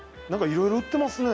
いろいろ売ってますね。